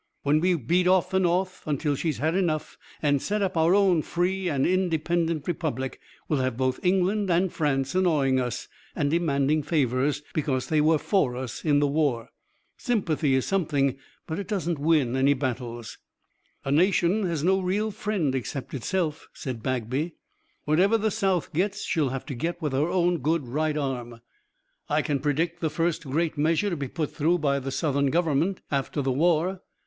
When we beat off the North, until she's had enough, and set up our own free and independent republic, we'll have both England and France annoying us, and demanding favors, because they were for us in the war. Sympathy is something, but it doesn't win any battles." "A nation has no real friend except itself," said Bagby. "Whatever the South gets she'll have to get with her own good right arm." "I can predict the first great measure to be put through by the Southern Government after the war."